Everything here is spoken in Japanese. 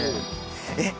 えっ！